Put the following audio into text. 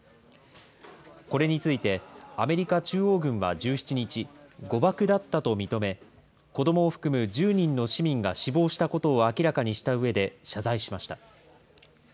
これについて、アメリカ中央軍は１７日、誤爆だったと認め、子どもを含む１０人の市民が死亡したことを明らかにしたうえで、謝罪しました。